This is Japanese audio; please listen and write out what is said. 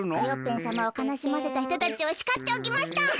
クヨッペンさまをかなしませたひとたちをしかっておきました。